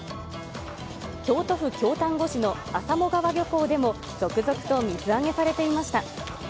京都府京丹後市の浅茂川漁港でも続々と水揚げされていました。